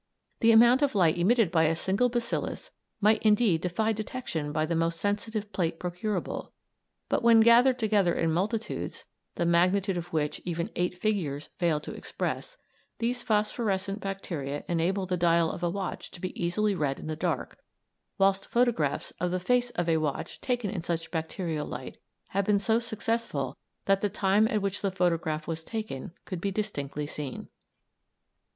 The amount of light emitted by a single bacillus might indeed defy detection by the most sensitive plate procurable, but when gathered together in multitudes, the magnitude of which even eight figures fail to express, these phosphorescent bacteria enable the dial of a watch to be easily read in the dark, whilst photographs of the face of a watch taken in such bacterial light have been so successful that the time at which the photograph was taken could be distinctly seen.